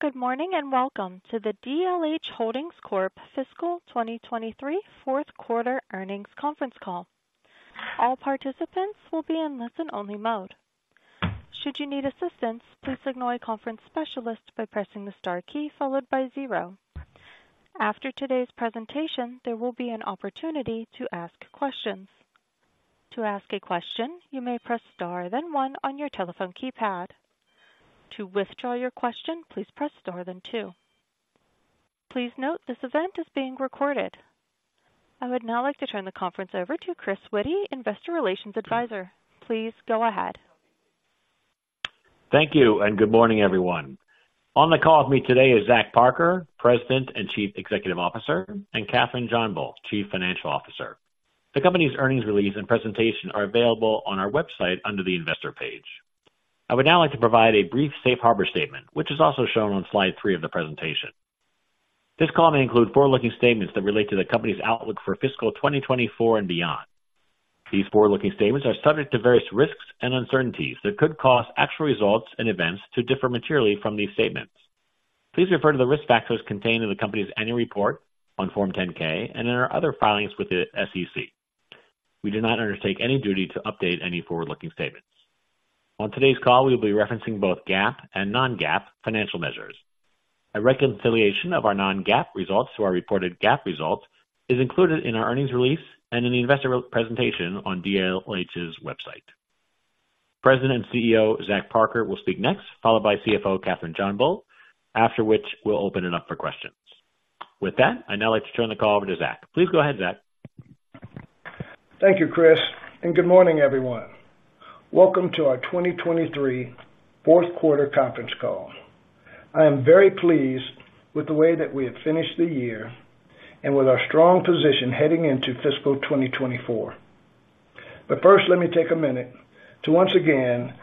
Good morning, and welcome to the DLH Holdings Corp Fiscal 2023 Fourth Quarter Earnings Conference Call. All participants will be in listen-only mode. Should you need assistance, please signal a conference specialist by pressing the star key followed by zero. After today's presentation, there will be an opportunity to ask questions. To ask a question, you may press star, then one on your telephone keypad. To withdraw your question, please press star then two. Please note, this event is being recorded. I would now like to turn the conference over to Chris Witty, investor relations advisor. Please go ahead. Thank you, and good morning, everyone. On the call with me today is Zach Parker, President and Chief Executive Officer, and Kathryn JohnBull, Chief Financial Officer. The company's earnings release and presentation are available on our website under the investor page. I would now like to provide a brief safe harbor statement, which is also shown on slide three of the presentation. This call may include forward-looking statements that relate to the company's outlook for fiscal 2024 and beyond. These forward-looking statements are subject to various risks and uncertainties that could cause actual results and events to differ materially from these statements. Please refer to the risk factors contained in the company's annual report on Form 10-K and in our other filings with the SEC. We do not undertake any duty to update any forward-looking statements. On today's call, we will be referencing both GAAP and non-GAAP financial measures. A reconciliation of our non-GAAP results to our reported GAAP results is included in our earnings release and in the investor presentation on DLH's website. President and CEO, Zach Parker, will speak next, followed by CFO Kathryn JohnBull, after which we'll open it up for questions. With that, I'd now like to turn the call over to Zach. Please go ahead, Zach. Thank you, Chris, and good morning, everyone. Welcome to our 2023 fourth quarter conference call. I am very pleased with the way that we have finished the year and with our strong position heading into fiscal 2024. But first, let me take a minute to once again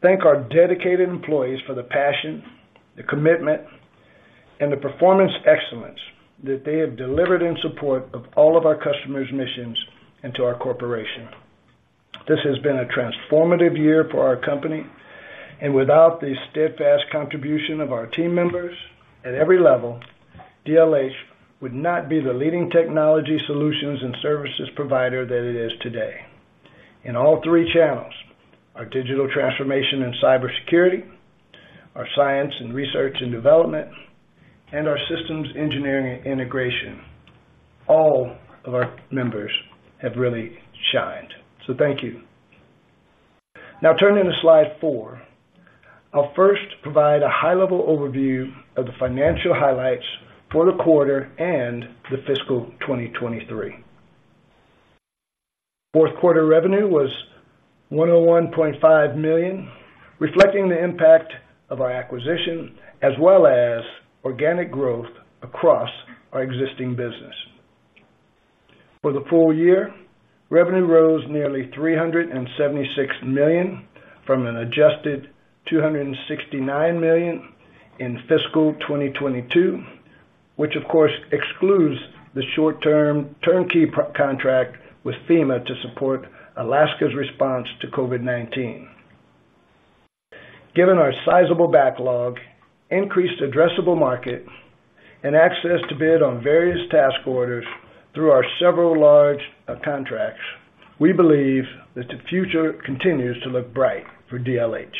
thank our dedicated employees for the passion, the commitment, and the performance excellence that they have delivered in support of all of our customers' missions and to our corporation. This has been a transformative year for our company, and without the steadfast contribution of our team members at every level, DLH would not be the leading technology, solutions, and services provider that it is today. In all three channels, our digital transformation and cybersecurity, our science and research and development, and our systems engineering and integration, all of our members have really shined. So thank you. Now, turning to slide four. I'll first provide a high-level overview of the financial highlights for the quarter and the fiscal 2023. Fourth quarter revenue was $101.5 million, reflecting the impact of our acquisition, as well as organic growth across our existing business. For the full year, revenue rose nearly $376 million from an adjusted $269 million in fiscal 2022, which of course, excludes the short-term turnkey contract with FEMA to support Alaska's response to COVID-19. Given our sizable backlog, increased addressable market, and access to bid on various task orders through our several large contracts, we believe that the future continues to look bright for DLH.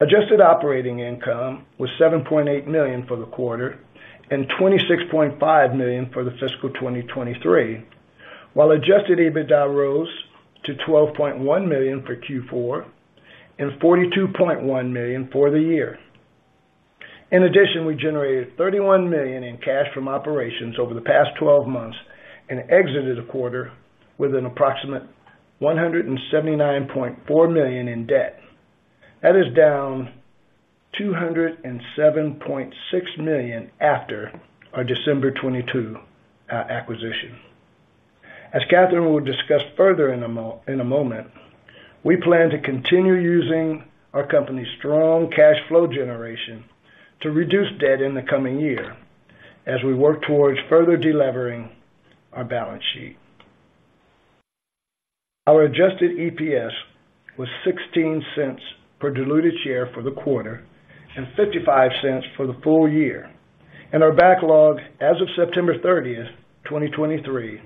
Adjusted operating income was $7.8 million for the quarter and $26.5 million for the fiscal 2023, while Adjusted EBITDA rose to $12.1 million for Q4 and $42.1 million for the year. In addition, we generated $31 million in cash from operations over the past 12 months and exited the quarter with an approximate $179.4 million in debt. That is down $207.6 million after our December 2022 acquisition. As Kathryn will discuss further in a moment, we plan to continue using our company's strong cash flow generation to reduce debt in the coming year as we work towards further delevering our balance sheet. Our adjusted EPS was $0.16 per diluted share for the quarter and $0.55 for the full year, and our backlog as of September 30, 2023,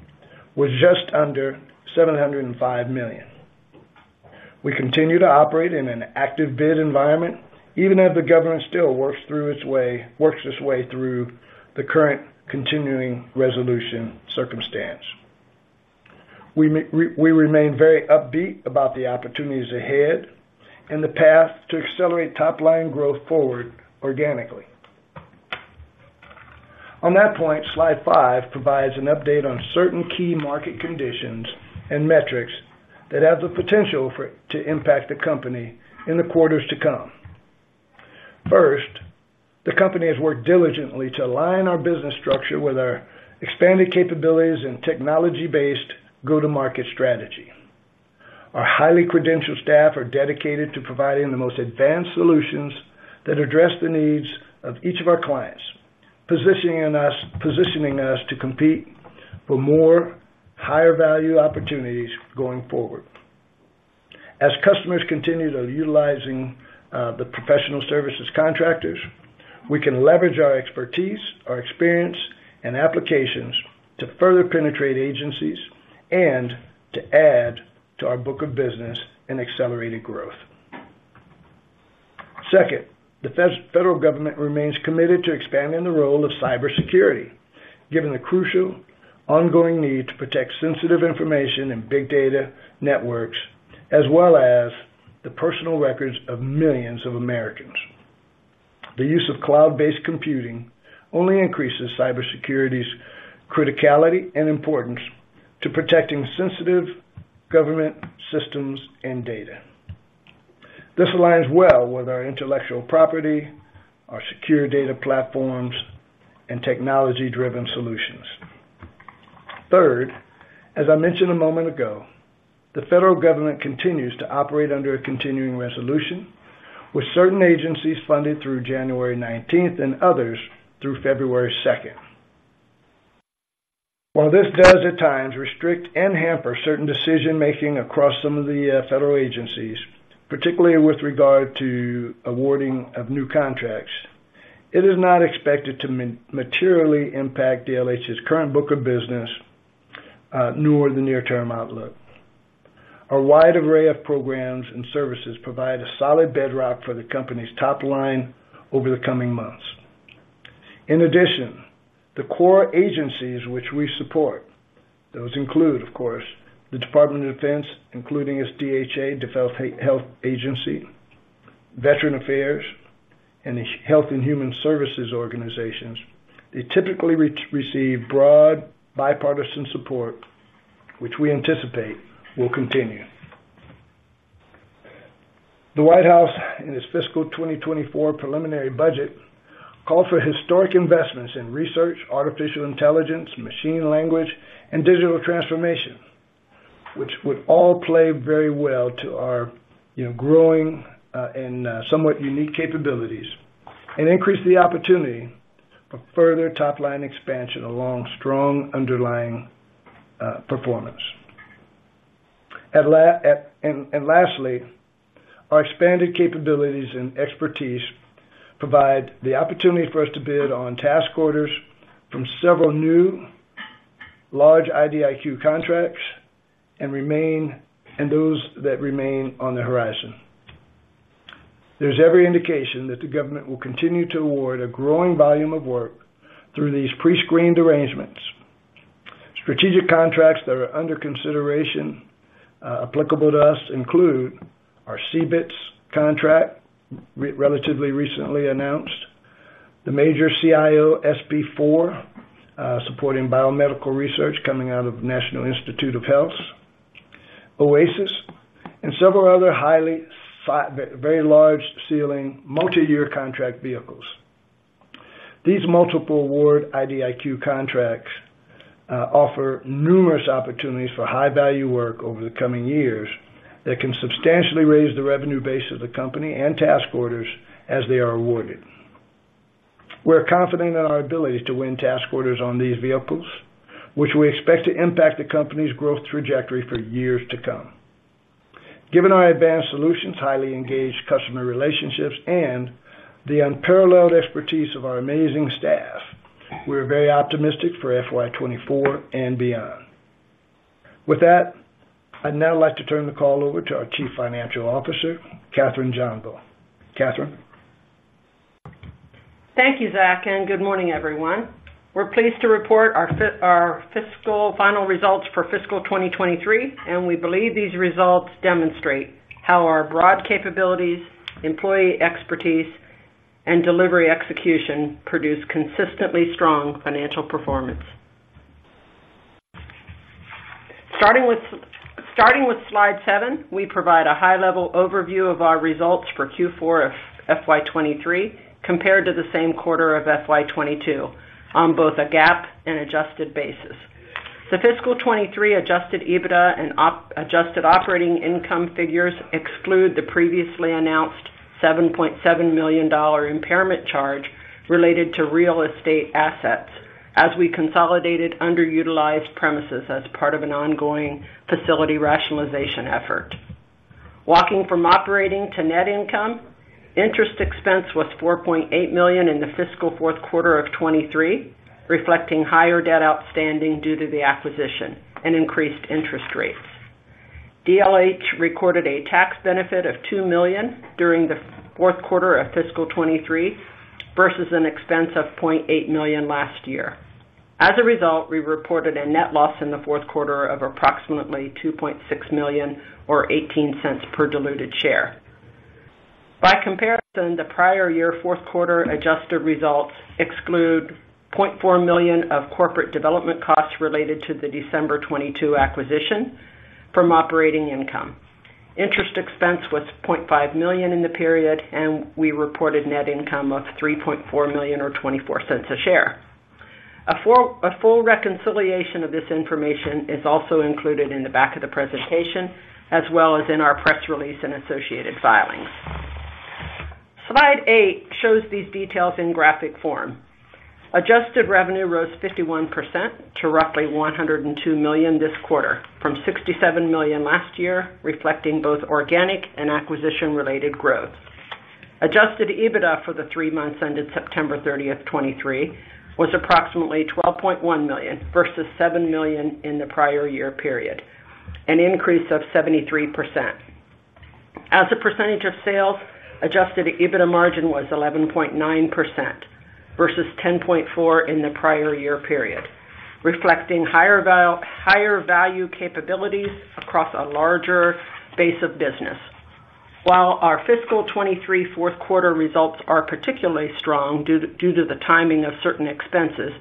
was just under $705 million. We continue to operate in an active bid environment, even as the government still works its way through the current continuing resolution circumstance. We remain very upbeat about the opportunities ahead and the path to accelerate top-line growth forward organically. On that point, slide five provides an update on certain key market conditions and metrics that have the potential for, to impact the company in the quarters to come. First, the company has worked diligently to align our business structure with our expanded capabilities and technology-based go-to-market strategy. Our highly credentialed staff are dedicated to providing the most advanced solutions that address the needs of each of our clients, positioning us, positioning us to compete for more higher-value opportunities going forward. As customers continue to utilizing the professional services contractors, we can leverage our expertise, our experience, and applications to further penetrate agencies and to add to our book of business and accelerated growth. Second, the federal government remains committed to expanding the role of cybersecurity, given the crucial ongoing need to protect sensitive information and big data networks, as well as the personal records of millions of Americans. The use of cloud-based computing only increases cybersecurity's criticality and importance to protecting sensitive government systems and data. This aligns well with our intellectual property, our secure data platforms, and technology-driven solutions. Third, as I mentioned a moment ago, the federal government continues to operate under a continuing resolution, with certain agencies funded through January nineteenth and others through February 2nd. While this does at times restrict and hamper certain decision-making across some of the federal agencies, particularly with regard to awarding of new contracts, it is not expected to materially impact DLH's current book of business, nor the near-term outlook. A wide array of programs and services provide a solid bedrock for the company's top line over the coming months. In addition, the core agencies which we support, those include, of course, the Department of Defense, including its DHA, Defense Health Agency, Veterans Affairs, and the Health and Human Services organizations. They typically receive broad, bipartisan support, which we anticipate will continue. The White House, in its fiscal 2024 preliminary budget, called for historic investments in research, artificial intelligence, machine language, and digital transformation, which would all play very well to our, you know, growing and somewhat unique capabilities, and increase the opportunity for further top-line expansion along strong underlying performance. And lastly, our expanded capabilities and expertise provide the opportunity for us to bid on task orders from several new large IDIQ contracts and those that remain on the horizon. There's every indication that the government will continue to award a growing volume of work through these pre-screened arrangements. Strategic contracts that are under consideration, applicable to us include our CBITS contract, relatively recently announced, the major CIO-SP4, supporting biomedical research coming out of the National Institutes of Health, OASIS, and several other highly very large ceiling, multi-year contract vehicles. These multiple award IDIQ contracts offer numerous opportunities for high-value work over the coming years that can substantially raise the revenue base of the company and task orders as they are awarded. We're confident in our ability to win task orders on these vehicles, which we expect to impact the company's growth trajectory for years to come. Given our advanced solutions, highly engaged customer relationships, and the unparalleled expertise of our amazing staff, we're very optimistic for FY 2024 and beyond. With that, I'd now like to turn the call over to our Chief Financial Officer, Kathryn JohnBull. Kathryn? Thank you, Zach, and good morning, everyone. We're pleased to report our our fiscal final results for fiscal 2023, and we believe these results demonstrate how our broad capabilities, employee expertise, and delivery execution produce consistently strong financial performance. Starting with slide seven, we provide a high-level overview of our results for Q4 of FY 2023, compared to the same quarter of FY 2022 on both a GAAP and adjusted basis. The fiscal 2023 adjusted EBITDA and adjusted operating income figures exclude the previously announced $7.7 million impairment charge related to real estate assets, as we consolidated underutilized premises as part of an ongoing facility rationalization effort. Walking from operating to net income, interest expense was $4.8 million in the fiscal fourth quarter of 2023, reflecting higher debt outstanding due to the acquisition and increased interest rates. DLH recorded a tax benefit of $2 million during the fourth quarter of fiscal 2023 versus an expense of $0.8 million last year. As a result, we reported a net loss in the fourth quarter of approximately $2.6 million, or $0.18 per diluted share. By comparison, the prior year fourth quarter adjusted results exclude $0.4 million of corporate development costs related to the December 2022 acquisition from operating income. Interest expense was $0.5 million in the period, and we reported net income of $3.4 million, or $0.24 a share. A full reconciliation of this information is also included in the back of the presentation, as well as in our press release and associated filings. Slide eight shows these details in graphic form. Adjusted revenue rose 51% to roughly $102 million this quarter, from $67 million last year, reflecting both organic and acquisition-related growth. Adjusted EBITDA for the three months ended September 30, 2023, was approximately $12.1 million, versus $7 million in the prior year period, an increase of 73%. As a percentage of sales, adjusted EBITDA margin was 11.9% versus 10.4% in the prior year period, reflecting higher value capabilities across a larger base of business. While our fiscal 2023 fourth quarter results are particularly strong due to the timing of certain expenses,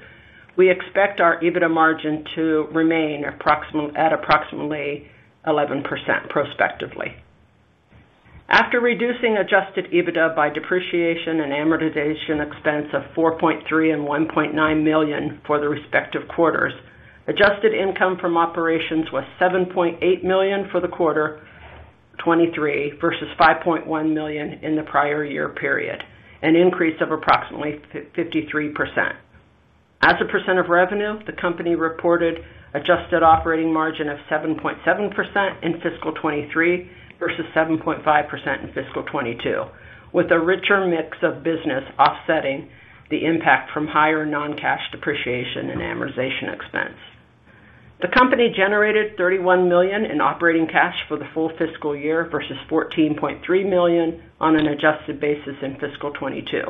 we expect our EBITDA margin to remain at approximately 11% prospectively. After reducing Adjusted EBITDA by depreciation and amortization expense of $4.3 million and $1.9 million for the respective quarters, adjusted income from operations was $7.8 million for the quarter 2023, versus $5.1 million in the prior year period, an increase of approximately 53%. As a percent of revenue, the company reported adjusted operating margin of 7.7% in fiscal 2023 versus 7.5% in fiscal 2022, with a richer mix of business offsetting the impact from higher non-cash depreciation and amortization expense. The company generated $31 million in operating cash for the full fiscal year versus $14.3 million on an adjusted basis in fiscal 2022.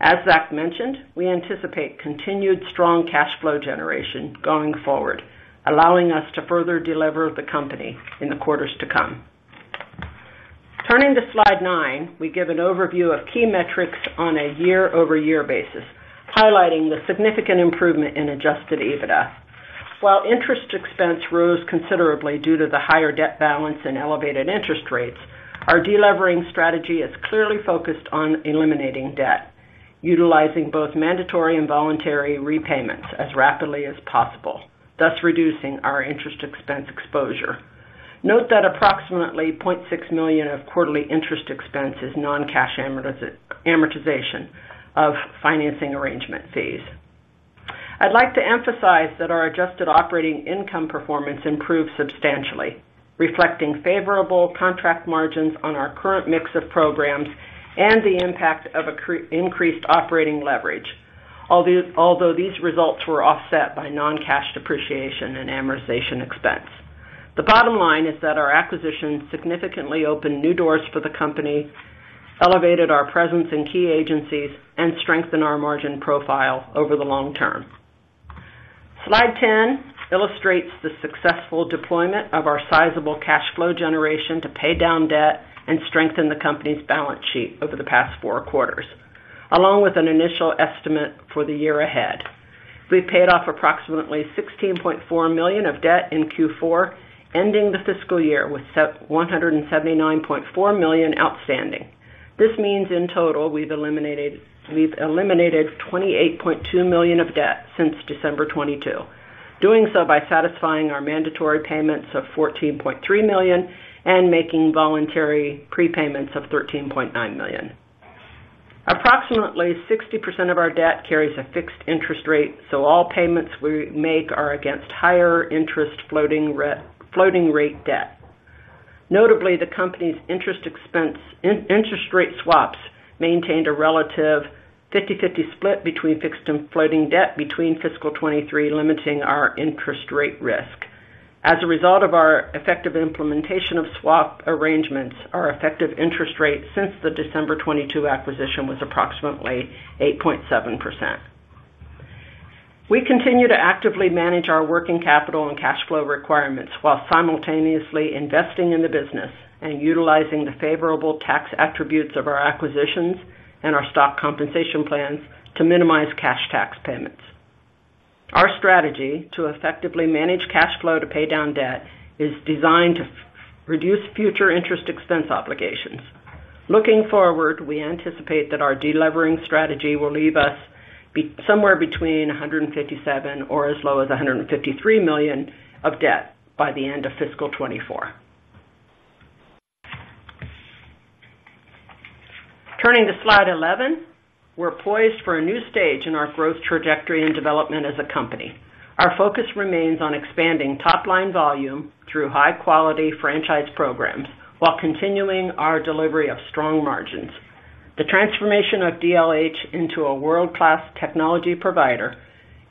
As Zach mentioned, we anticipate continued strong cash flow generation going forward, allowing us to further delever the company in the quarters to come. Turning to slide nine, we give an overview of key metrics on a year-over-year basis, highlighting the significant improvement in adjusted EBITDA. While interest expense rose considerably due to the higher debt balance and elevated interest rates, our delevering strategy is clearly focused on eliminating debt, utilizing both mandatory and voluntary repayments as rapidly as possible, thus reducing our interest expense exposure. Note that approximately $0.6 million of quarterly interest expense is non-cash amortization of financing arrangement fees. I'd like to emphasize that our adjusted operating income performance improved substantially, reflecting favorable contract margins on our current mix of programs and the impact of increased operating leverage. Although these results were offset by non-cash depreciation and amortization expense. The bottom line is that our acquisitions significantly opened new doors for the company, elevated our presence in key agencies, and strengthened our margin profile over the long term. Slide 10 illustrates the successful deployment of our sizable cash flow generation to pay down debt and strengthen the company's balance sheet over the past foour quarters, along with an initial estimate for the year ahead. We've paid off approximately $16.4 million of debt in Q4, ending the fiscal year with $179.4 million outstanding. This means in total, we've eliminated $28.2 million of debt since December 2022. Doing so by satisfying our mandatory payments of $14.3 million and making voluntary prepayments of $13.9 million. Approximately 60% of our debt carries a fixed interest rate, so all payments we make are against higher interest floating rate debt. Notably, the company's interest rate swaps maintained a relative 50/50 split between fixed and floating debt between fiscal 2023, limiting our interest rate risk. As a result of our effective implementation of swap arrangements, our effective interest rate since the December 2022 acquisition was approximately 8.7%. We continue to actively manage our working capital and cash flow requirements while simultaneously investing in the business and utilizing the favorable tax attributes of our acquisitions and our stock compensation plans to minimize cash tax payments. Our strategy to effectively manage cash flow to pay down debt is designed to reduce future interest expense obligations. Looking forward, we anticipate that our delevering strategy will leave us somewhere between $157 million or as low as $153 million of debt by the end of fiscal 2024. Turning to slide 11, we're poised for a new stage in our growth trajectory and development as a company. Our focus remains on expanding top-line volume through high-quality franchise programs while continuing our delivery of strong margins. The transformation of DLH into a world-class technology provider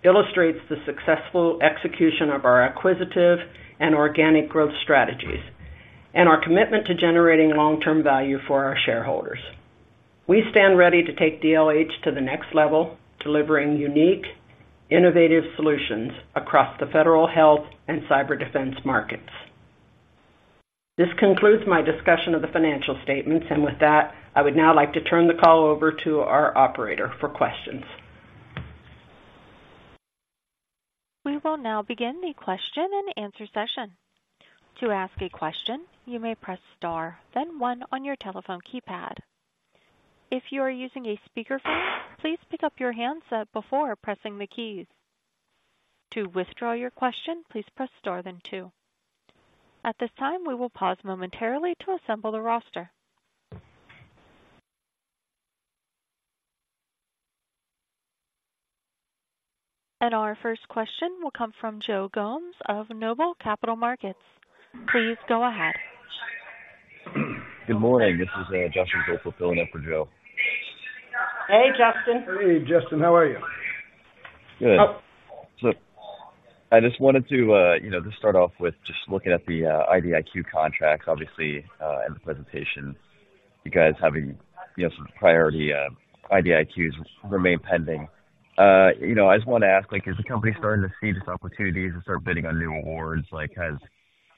illustrates the successful execution of our acquisitive and organic growth strategies, and our commitment to generating long-term value for our shareholders. We stand ready to take DLH to the next level, delivering unique, innovative solutions across the federal, health, and cyber defense markets. This concludes my discussion of the financial statements, and with that, I would now like to turn the call over to our operator for questions. We will now begin the question and answer session. To ask a question, you may press star, then one on your telephone keypad. If you are using a speakerphone, please pick up your handset before pressing the keys.... To withdraw your question, please press star, then two. At this time, we will pause momentarily to assemble the roster. Our first question will come from Joe Gomes of Noble Capital Markets. Please go ahead. Good morning, this is Justin Gomes filling in for Joe. Hey, Justin. Hey, Justin, how are you? Good. So I just wanted to, you know, just start off with just looking at the, IDIQ contracts, obviously, and the presentation. You guys having, you know, some priority, IDIQs remain pending. You know, I just want to ask, like, is the company starting to see this opportunities and start bidding on new awards? Like, has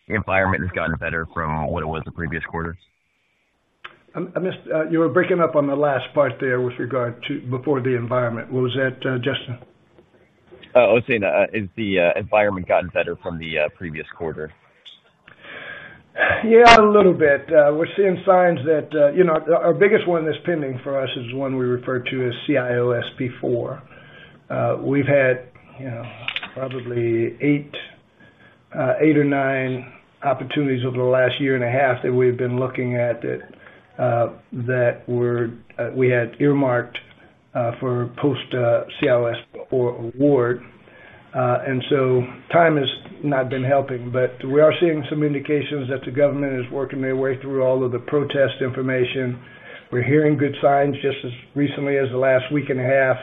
the environment has gotten better from what it was the previous quarter? I missed. You were breaking up on the last part there with regard to before the environment. What was that, Justin? I was saying, has the environment gotten better from the previous quarter? Yeah, a little bit. We're seeing signs that, you know, our biggest one that's pending for us is one we refer to as CIO-SP4. We've had, you know, probably eight or nine opportunities over the last year and a half that we've been looking at that we had earmarked for post CIO-SP award. And so time has not been helping, but we are seeing some indications that the government is working their way through all of the protest information. We're hearing good signs just as recently as the last week and a half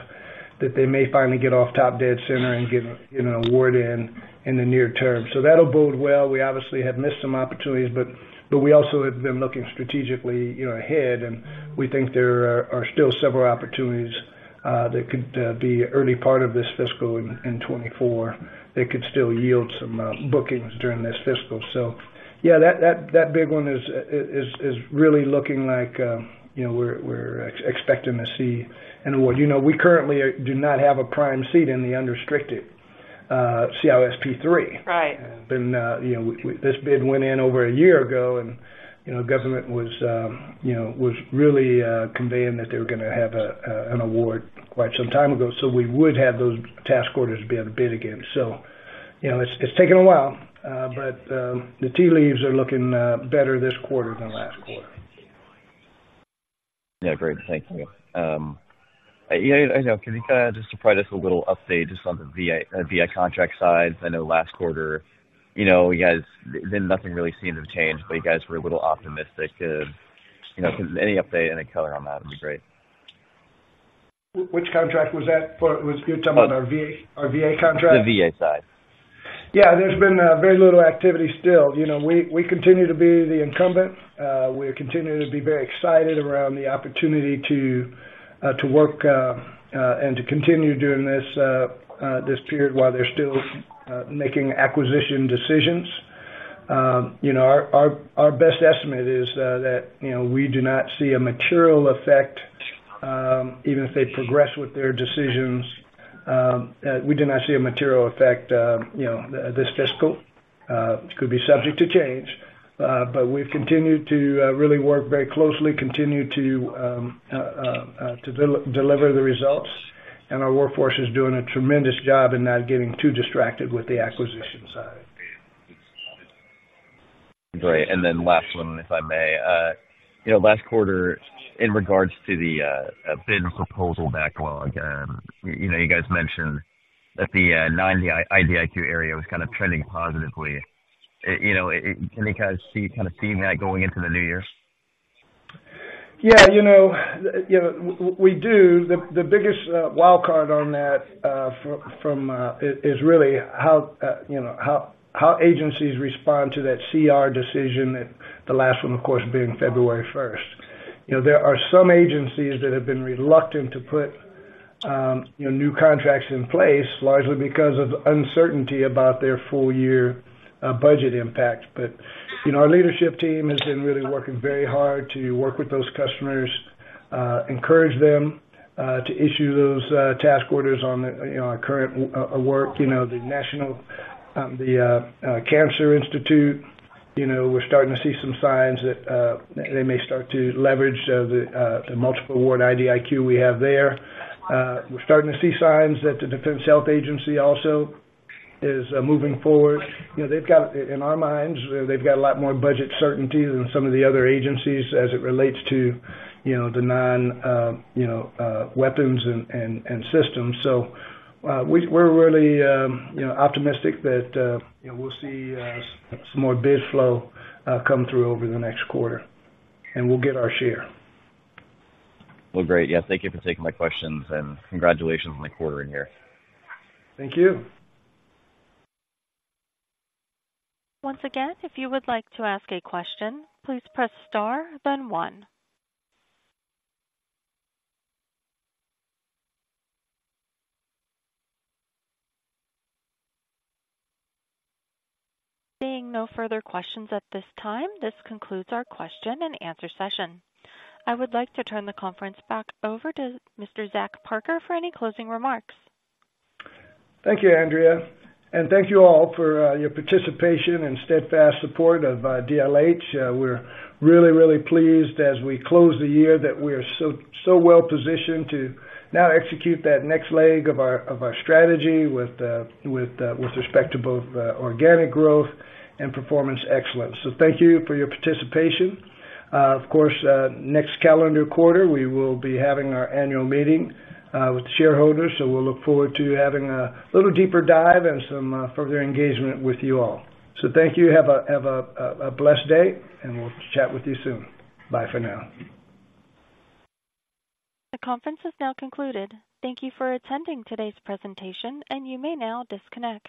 that they may finally get off top dead center and get an award in the near term. So that'll bode well. We obviously have missed some opportunities, but we also have been looking strategically, you know, ahead, and we think there are still several opportunities that could be early part of this fiscal 2024, that could still yield some bookings during this fiscal. So, yeah, that big one is really looking like, you know, we're expecting to see an award. You know, we currently do not have a prime seat in the unrestricted CIO-SP3. Right. You know, this bid went in over a year ago, and, you know, government was really conveying that they were gonna have an award quite some time ago. So we would have those task orders be able to bid again. So, you know, it's taken a while, but the tea leaves are looking better this quarter than last quarter. Yeah, great. Thank you. Yeah, I know. Can you kind of just provide us a little update just on the VA, VA contract side? I know last quarter, you know, you guys, then nothing really seemed to have changed, but you guys were a little optimistic. You know, any update, any color on that would be great. Which contract was that for? Was you talking about our VA, our VA contract? The VA side. Yeah, there's been very little activity still. You know, we continue to be the incumbent. We continue to be very excited around the opportunity to work and to continue doing this period while they're still making acquisition decisions. You know, our best estimate is that, you know, we do not see a material effect, even if they progress with their decisions, we do not see a material effect, you know, this fiscal. Could be subject to change, but we've continued to really work very closely, continue to deliver the results, and our workforce is doing a tremendous job in not getting too distracted with the acquisition side. Great. And then last one, if I may. You know, last quarter, in regards to the bid proposal backlog, you know, you guys mentioned that the non-IDIQ area was kind of trending positively. You know, can you guys see, kind of seeing that going into the new year? Yeah, you know, we do. The biggest wild card on that is really how you know how agencies respond to that CR decision, that the last one, of course, being February 1st. You know, there are some agencies that have been reluctant to put you know new contracts in place largely because of uncertainty about their full year budget impact. But, you know, our leadership team has been really working very hard to work with those customers encourage them to issue those task orders on the you know on current work. You know, the National Cancer Institute, you know, we're starting to see some signs that they may start to leverage the multiple award IDIQ we have there. We're starting to see signs that the Defense Health Agency also is moving forward. You know, they've got, in our minds, a lot more budget certainty than some of the other agencies as it relates to, you know, the non weapons and systems. So, we're really, you know, optimistic that, you know, we'll see some more bid flow come through over the next quarter, and we'll get our share. Well, great. Yeah, thank you for taking my questions, and congratulations on the quarter in here. Thank you. Once again, if you would like to ask a question, please press star, then one. Seeing no further questions at this time, this concludes our question and answer session. I would like to turn the conference back over to Mr. Zach Parker for any closing remarks. Thank you, Andrea, and thank you all for your participation and steadfast support of DLH. We're really, really pleased as we close the year, that we are so, so well positioned to now execute that next leg of our strategy with respect to both organic growth and performance excellence. So thank you for your participation. Of course, next calendar quarter, we will be having our annual meeting with the shareholders, so we'll look forward to having a little deeper dive and some further engagement with you all. So thank you. Have a blessed day, and we'll chat with you soon. Bye for now. The conference is now concluded. Thank you for attending today's presentation, and you may now disconnect.